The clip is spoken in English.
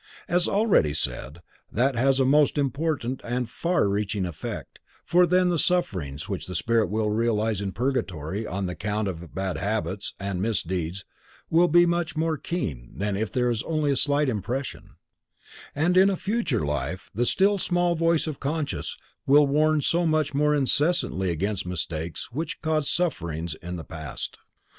As already said, that has a most important and far reaching effect, for then the sufferings which the spirit will realize in purgatory on account of bad habits and misdeeds will be much more keen than if there is only a slight impression, and in a future life the still small voice of conscience will warn so much more insistently against mistakes which caused sufferings in the past.